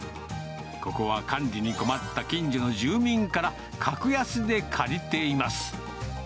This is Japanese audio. ここは管理に困った近所の住民から、格安で借りています。